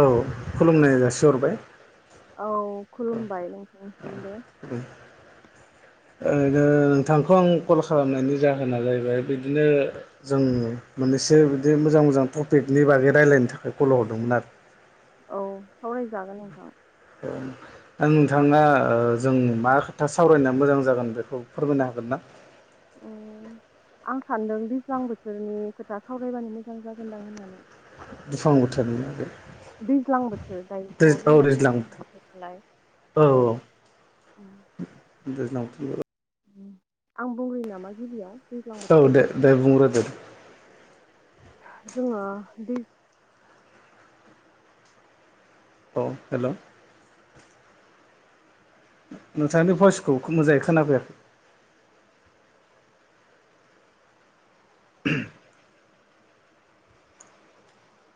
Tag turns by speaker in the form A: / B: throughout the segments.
A: औ खुलुमनाय जासिहरबाय
B: औ खुलुमबाय [unintelligible]
A: ओरैनो नोंथांखौ आं कल खालामनायनि जाहोना जाहैबाय बिदिनो जों मोननैसो बिदि मोजां मोजां टपिकनि बागै रायलायनो थाखाय कल हरदोंमोन आरो
B: औ सावरायजागोन नोंथां
A: [unintelligible] नोंथांआ ओ जों मा खोथा सावरायना मोजां जागोन बेखौ [inaudible]
B: उम आं सानदों दैज्लां बोथोरनि खोथा सावरायबानो मोजां जागोनदां होननानै
A: दुफां बोथोरनि औ दैज्लां बोथोर
B: [inaudible]
A: औ
B: [inaudible]
A: [inaudible]
B: [inaudible]
A: औ
B: बोथोरनि
A: दे
B: बागै
A: दे बुंग्रो दो
B: [inaudible]
A: अ हेलौ नोंथांनि भयसखौ मोजाङै खोनाफैयाखै [inaudible]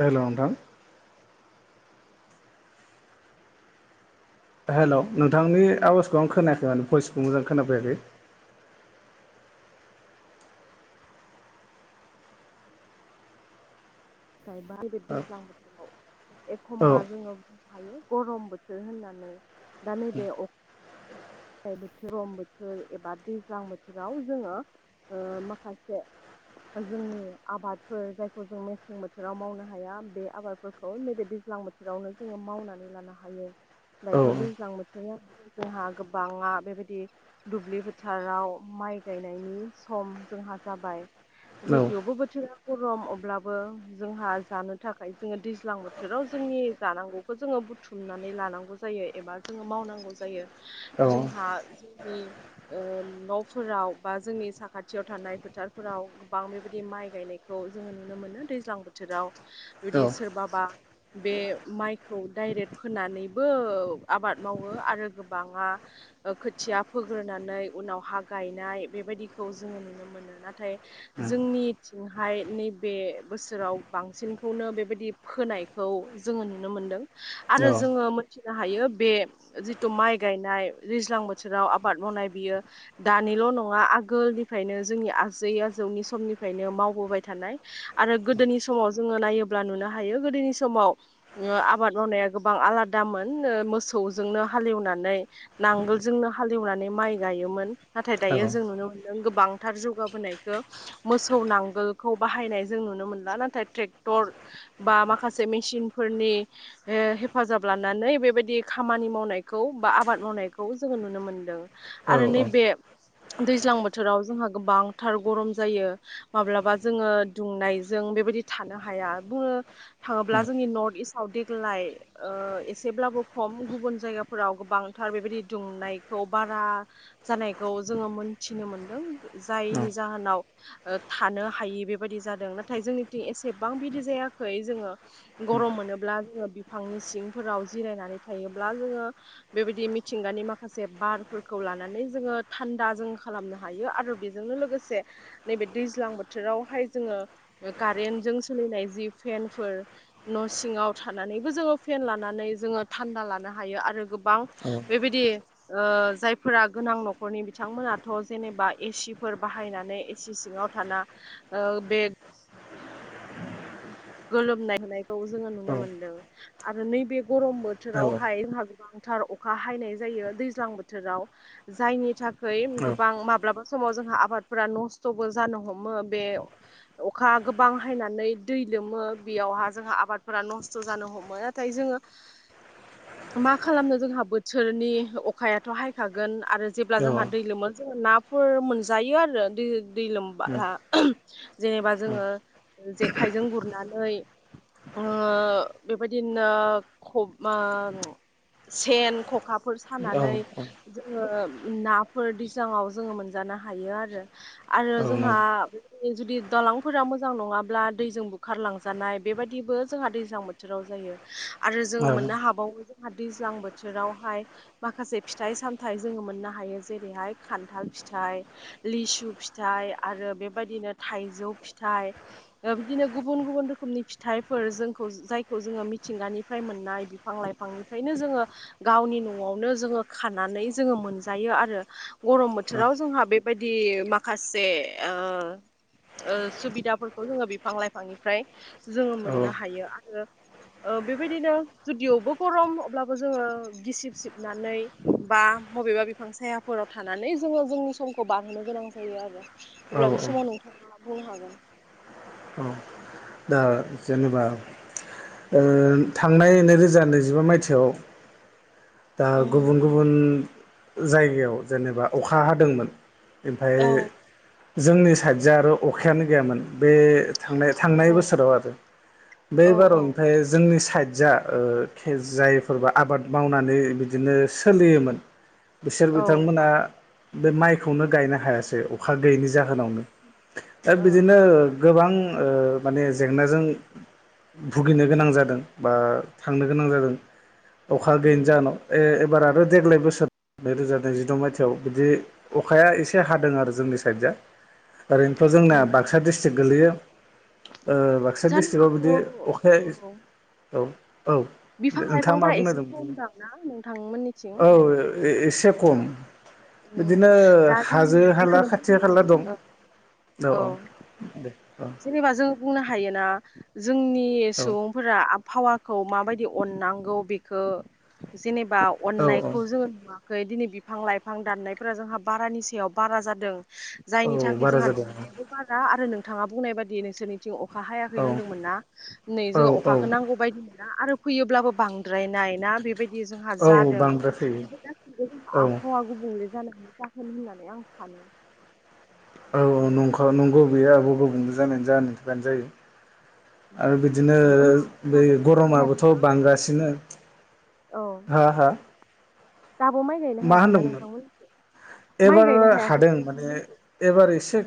A: हेलौ नोंथां हेलौ नोंथांनि आवाजखौ आं खोनायाखै माने भयसखौ मोजां खोनाफैयाखै [inaudible]
B: [unintelligible] हायो
A: औ नंगौ औ
B: गरम बोथोर होननानै दा नैबे अख गरम बोथोर एबा दैज्लां बोथोराव जोङो ओ माखासे जोंनि आबादफोर जायखौ जों मेसें बोथोराव मावनो हाया बे आबादफोरखौ नैबे दै ज्लां बोथोरावनो जोङो मावनानै लानो हायो दायोथ' दैज्लां बोथोर जोंहा गोबांआ बेबायदि दुब्लि फोथाराव माइ गायनायनि सम जोंहा जाबाय [unintelligible] गरम अब्लाबो जोंहा जानो थाखाय जोङो दैज्लां बोथोराव जोंनि जानांगौखौ जोङो बुथुमनानै लानांगौ जायो एबा जोङो मावनांगौ जायो जोंहा जोंनि ओ न'फोराव बा जोंनि साखाथियाव थानाय फोथारफोराव गोबां बेबायदि माइ गायनायखौ जोङो नुनो मोनो दैज्लां बोथोराव बिदि सोरबाबा बे माइखौ दाइरेक्ट फोनानैबो आबाद मावो आरो गोबाङा ओ खोथिया फोग्रोनानै उनाव हा गायनाय बेबायदिखौ जोङो नुनो मोनो नाथाय जोंनिथिंहाय नैबे बोसोराव बांसिनखौनो बेबायदि खोनायखौ जोङो नुनो मोनदों आरो जोङो मोनथिनो हायो बे जिथु माइ गायनाय दैज्लां बोथोराव आबाद मावनाय बियो दानिल' नङा आगोलनिफ्रायनो जोंनि आजै आजौनि समनिफ्रायनो मावबोबाय थानाय आरो गोदोनि समाव जोङो नायोब्ला नुनो हायो गोदोनि समाव आबाद मावनाया गोबां आलादामोन मोसौजोंनो हालेवना नै नांगोलजोंनो हालेवनानै माइ गायोमोन नाथाय दायो जों नुनो मोन गोबांथार जौगाबोनायखौ मोसौ नांगोलखौ बाहायनाय जों नुनो मोनला नाथाय बा माखासे मेसिनफोरनि हे हेफाजाब लानानै बेबायदि खामानि मावनाय खौ बा आबाद मावनायखौ जोङो नुनो मोनदों आरो नैबे दैज्लां बोथोराव जोंहा गोबांथार गरम जायो माब्लाबा जोङो दुंनायजों बे बेबायदि थानो हाया बोओ जोंनि नर्थइस्थआव देग्लाय ओ एसेब्लाबो खम गुबन जायगायाव फोराव गोबांथार बेबायदि दुंनायखौ बारा जानायखौ जोंङो मोनथिनो मोनदों जायनि जाहोनाव ओ थानो हायि बेबायादि जादों नाथाय जोंनिथिं एसेबां बिदि जाया खै जोंङो गरम मोनोब्ला जोंङो बिफांनि सिंफोराव जिरायनानै थायोब्ला जोंङो बेबायदि मिथिंगानि माखासे बारफोरखौ लानानै जोंङो थान्दा जों खालामनो हायो आरो बेजोंनो लोगोसे नैबे दैज्लां बोथोरावहाय जोंङो कारेन्टजों सोलिनाय जि फेन फोर न' सिङाव थानानैबो जोंङो फेन लानानै जोंङो थान्दा लानो हायो आरो बां बेबायदि ओ जायफोरा गोनां न'खरनि बिथांमोनाथ' जेनेबा एसिफोर बाहायनानै एसि सिङाव थाना ओ बे गोलोमनाय होनायखौ जोंङो नुनो मोनदों आरो नैबे [unintelligible] थार अखा हायनाय जायो दैज्लां बोथोराव जायनि थाखा खै गोबां माब्लाबा समाव जों हा आबादफोरा नस्थ'बो जानो हमो बे अखा गोबां हायनानै दै लोमो बेयावहा जोंहा आबादफोरा नस्थ' जानो हमो नाथाय जोंङो मा खालामनो जोंहा बोथोरनि अखायाथ' हायखागोन आरो जेब्ला जोंहा दै लोमो जों नाफोर मोनजायो आरो दै दै लोमबाला जेनेबा जोंङो जेखाइजों गुरनानै। बेबायदिनो ख'सेन ख' खाफोर सानानै जोङो नाफोर दैज्लांआव जोङो मोनजानो हायो आरो। आरो जोंहा जुदि दालांफोरा मोजां नङाब्ला दैजों बु खारलांजानाय बेबायदिबो जोंहा दैज्लां बोथोराव जायो आरो जोङो
A: औ
B: मोननो हाबावो जे दैज्लां बोथोरावहाय माखासे फिथाइ सामथायाइ जोङो मोननो हायो जेरैहाय खान्थाल फि फिथाय लिसु फिथाइ आरो बेबायदिनो थाइजौ फिथाइ ओ बिदिनो गुबुन गुबुन रोखोमनि फिथाइफोर जोंखौ जायखौ जोङो मिथिंगानिफ्राय मोननाय बिफां लाइफांनिफ्रायनो जोङो गावनि न'आवनो जोङो खानानै जोङो मोनजायो आरो गरम
A: औ औ
B: बोथोराव जोङो हा बेबायदि माखासे ओ-ओ सुबिदाफोरखौ जोङो बिफां लाइ फांनिफ्राय जोङो मोननो हायो आरो ओ बेबायदिनो जुदियावबो गरम अब्लाबो जोङो गिसिब सिबनानै बा बबेबा बिफां सायाफोराव थानानै जोङो जोंनि समखौ बारहोनो गोनां जायो आरो। अब्ला बे समाव नोंथाङा बुंनो हागोन।
A: दा जेनेबा थांनाय नैरोजा नैजिबा मायथाइयाव दा गुबुन
B: उम
A: गुबुन जायगायाव जेनेबा अखा हादोंमोन ओमफाय
B: औ
A: जोंनि साइतजो आरो अखायानो गैयामोन बे
B: औ
A: थनाय--थांनाय बोसोराव आरो बे
B: औ
A: बाराव
B: औ
A: ओमफ्राय जोंनि साइद जा ओ खे जायफोरब आबाद मावनानै बिदिनो सोलियोमोन बिसोर
B: औ ओ
A: बिथांमोना बे माइखौनो गायनो हायासै। अखा गैयैनि जाहोनावनो दा
B: ओ
A: बिदिनो
B: उम
A: गोबां ओ माने जेंनाजों भुगिनो गोनां जादों बा थांनो गोनां जादों अखा गैयैन ए एबार आरो देग्लाय बोसोर नैरोजा नैजिद' मायथाइयाव बिदि अखाया एसे हादों आरो जोंनि साइद जा। ओरैनोथ
B: उम
A: जोंना बाक्सा डिस्ट्रिक गोलैयो ओ बाक्सा
B: जानो
A: डिस्ट्रिकआव बिदि
B: हागौ
A: अखाया
B: औ
A: औ औ
B: बिफां
A: नोंथाङा मा
B: लाइफांफोरा एसे
A: बुंनायदों
B: खमदां ना नोंथांमोननिथिं
A: औ ए- एसे खम।
B: उम
A: बिदिनो
B: दा जोंनो
A: हाजो हाला
B: बेखौनो
A: खाथि
B: बुंनो
A: खााला
B: हायो
A: दं।
B: ओ
A: औ औ दे। औ
B: जेनेबा जों बुंनो हायोना जोंनि
A: औ
B: सुबुंफोरा आ बहावाखौ माबायदि अननांगौ बेखौ जेनेबा
A: औ औ
B: अननायखौ जोङो नुवा खै दिनै बिफां-लाइफां दाननायफोरा जोंहा बारानि सायाव बारा जादों,
A: औ
B: जायनि थाखाय
A: बारा
B: जोंहा
A: जादों
B: दुंनायाबो बारा आरो नोंथाङा बुंनाय बादि नोंसोरनिथिं अ अखा हायाखै
A: औ
B: होन्दोंमोन ना। नै
A: औ
B: जोङो
A: औ
B: अखाखौ नांगौ बायदि मो ना आरो फैयोब्लाबो बांद्रायनाय ना बेबायदि जोंहा
A: औ
B: जादों
A: बांद्राय फैयो
B: बेफोर गासिबो
A: औ
B: आबहावा गुबुंले जाना जाहोन होननानै आं सानो
A: औ औ नंखा नंगौ गैया आबहावा गुबुंले जानायनि जाहोननि थाखायनो जायो। आरो बिदिनो
B: होमबा
A: बे
B: दाबो नायनो
A: गरमाबोथ'
B: हायाखैना नोंथांमोनथिं
A: बांगासिनो
B: औ
A: हा हा
B: दाबो माइ गायनो
A: मा
B: हायाखैना
A: होनदोंमोन
B: नोंथांमोननिथिं? माइ
A: एबार
B: गायनो हायाखैना
A: हादों माने
B: नोंथांमोननिथिं?
A: एबार एसे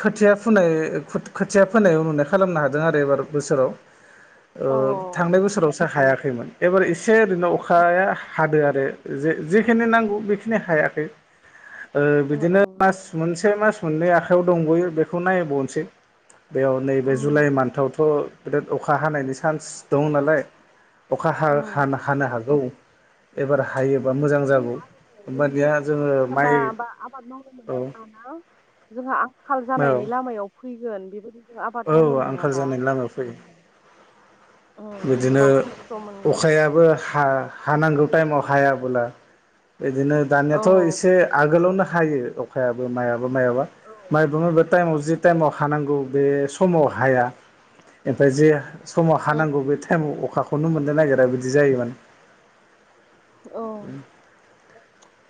A: खोथिया फुनो खोथिया फोनाय उरुनाय खालामनो हादों आरो एबार बोसोराव। ओ थांनाय बोसोरावसो हायाखैमोन एबार एस से ओरैनो
B: औ
A: अखाया हादों आरो जेखिनि नांगौ बेखिनि हायाखै। ओ
B: अ
A: बिदिनो मास मोनसे मास मोननै आखाइयाव दंबायो बेखौ नायबावनोसै। बेयाव नैबे जुलाइ मान्थावथ' बिराद अखा हानायनि चान्स दं नालाय। अखा हा हा हानो हागौ। एबार हायोबा मोजां जागौ होमबानिया जोङो माइ
B: बा बा आबाद मावनो मोनाबानो जोंहा आंखाल
A: औ औ
B: जानायनि लामायाव। फैगोन बेबायदि जों आबाद
A: औ
B: मावनो
A: आंखाल
B: मोनाबा
A: जानायनि लामायाव फैगोन।
B: उम
A: बिदिनो
B: गोबां खस्थ' मोनगोन
A: अखायाबो हा हानांगौ। गौ टाइमाव हायाबोला बिदिनो
B: औ
A: दानियाथ' एसे आगोलावनो। हायो अखायाबो माइयाबो माइयाबा
B: औ
A: [unintelligible] टाइमाव जे टाइमाव हानांगौ बे समाव हाया, ओमफ्राय जि समाव हानांगौ। बे टाइमाव अखाखौनो मोननो नागिरा बिदि जायो माने
B: औ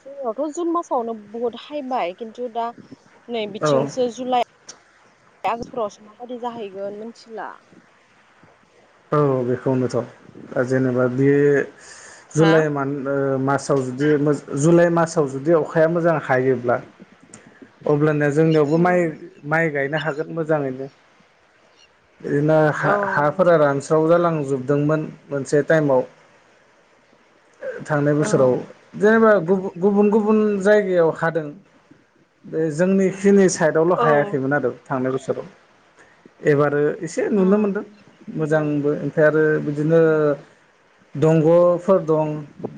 B: जोंनावथ' जुन मासावनो बुहुत हायबाय खिन्थु दा नै
A: औ
B: बिथिंसो जुलाइ बे आगोस्टफोरावसो माबादि जाहैगोन मिथिला
A: औ बेखौनोथ' जेनेबा बे
B: हा
A: जुलाइ मान्ट ओ मा साव जुदि जुलाइ मासाव जुदि अखाया मोजां। हायोब्ला अब्लाना जोंनियावबो माइ
B: उम
A: माइ गायनो हागोन। मोजाङैनो बिदिनो
B: औ
A: हा हा रानस्राव जालांजोबदोंमोन मोनसे टाइमाव थांनाय
B: औ
A: बोसोराव जेनेबा गुबुन गुबुन। जायगायाव हादों बे जोंनिखिनि साइदआवल' हायाखैमोन
B: उम
A: आरो थांनाय बोसो राव एबारो एसे
B: अ
A: नुनो मोनदों। मोजांबो ओमफ्राय आरो बिदिनो दंग'फोर दं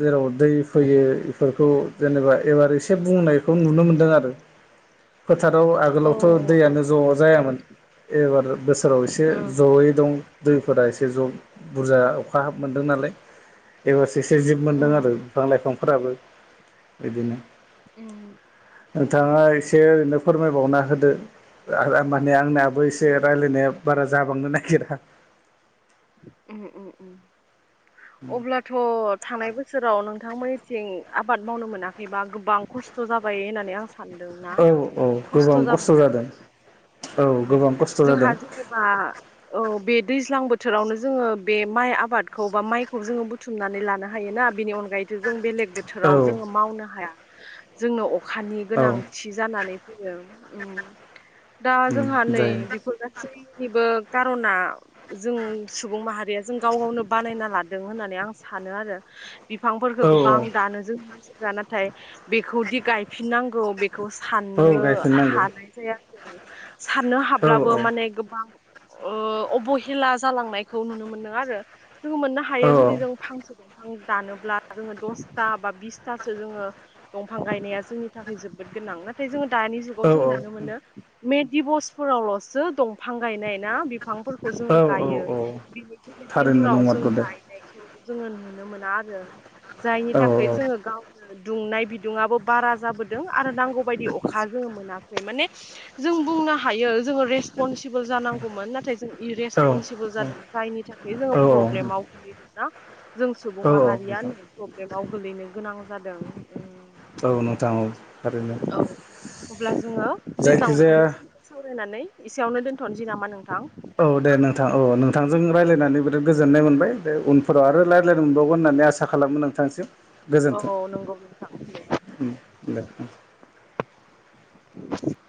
A: जेराव दै फैयो बेफोरखौ जेनेबा एबार एसे बुंनायखौ नुनो मोनदों आरो। फोथाराव आगोलावथ'
B: उम
A: दैयानो ज' जायामोन एबार बोसोराव एसे
B: उम
A: जयै दं दैफोरा, एसे ज' बुरजा अखा हाब मोनदों नालाय। एबारसो एसे जिब मोनदों आरो बिफां लाइफांफोराबो बिदिनो।
B: उम
A: नोंथाङा एसे ओरैनो फोरमायबावना होदो माने आंनियाबो एसे रायलायनाया बारा जाबांनो नागिरा।
B: उम उम उम अब्लाथ' थांनाय बोसोराव नों नोंथां मोननिथिं आबाद मावनो मोनाखैबा गोबां खस्थ' जाबाय होननानै आं सा सानदोंना
A: औ औ गोबां
B: खस्थ' जाबायदां?
A: जादों औ
B: ओ
A: गोबां खस्थ' जादों
B: जोंहा जेनेबा औ बे दैज्लां बोथोरावनो जोङो बे माइ आबादखौ बा माइखौ जोङो बुथुमनानै लानो हायोना बेनि अनगायै जों बेलेग
A: औ
B: बोथोराव जोङो मावनो हाया जोंनो अखानि
A: औ
B: गोनांथि जानानै उम दा
A: उम
B: जोंहा नै
A: जायो
B: बेफोर गासैनिबो खार'ना जों सुबुं माहारिया जों गाव गावनो बानायना लादों होननानै आं सानो आरो। बिफां फोरखौ
A: औ
B: गोबां दानो जों मानसिफोरा नाथाय बेखौदि गायफिननांगौ बे खौ
A: औ औ
B: साननो
A: गायफिननांगौ
B: हानाय जायासै साननो
A: औ
B: हाब्लाबो माने गोबां अ अबहेला जालांनायखौ नुनो मोनदों आरो। जोङो मोननो
A: औ
B: हायो जुदि जों फांसे दं फां दानोब्ला जोङो दसथा बा बिसथासो जोङो दंफां गायनाया जोंनि थाखाय जोबोद गो गोनां नाथाय जोङो दानि जुाव
A: औ
B: जोंड़ो नुनो मोनो मे दिबसफोरावल'सो दंफां गायनाय ना? बिफांफोरखौ जोङो
A: औ औ
B: गायो
A: औ
B: बिनि बेलेग
A: थारैनो
B: दिनफोराव जों
A: नंमारगौ दे
B: गायनायखौ जोङो नुनो मोना आरो जायनि
A: औ
B: थाखाय जोङो गावनो दुंनाय बिदुङआबो बारा जाबोदों आरो नांगौ बायदि अखा जोङो मोनाखै माने जों बुंनो हायो जोङो रेस रेसपनसिबोल जानांगौमोन नाथाय जों
A: औ
B: इरेसपनसिबोल जादों जायनि थाखाय जोङो प्रब्लेमाव गोलैदों ना? जों सुबुं
A: औ
B: माहारिया
A: नोंथां
B: नै प्रब्लेमाव गोलैनो गोनां जादों।
A: औ नोंथां औ थारैनो
B: औ अब्ला जोङो दैज्लां बोथोर
A: जायखिजाया
B: सोरनि स्दै सावरायनानै एसेयावनो दोनथ'नोसै नामा नोंथां?
A: औ दे नोंथां औ नोंथांजों रायज्लायनानै बिराद गोजोननाय मोनबाय दे उनफोराव आरो रायज्लायनो मोनबावगोन होननानै आसा खालामो नोंथांसिम। गोजोन्थों
B: औ नंगौ नोंथां दे
A: दे।
B: [inaudible]